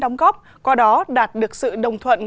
đóng góp qua đó đạt được sự đồng thuận